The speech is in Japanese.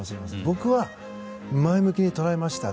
僕は、前向きに捉えました。